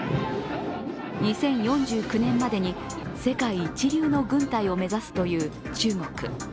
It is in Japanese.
２０４９年までに世界一流の軍隊を目指すという中国。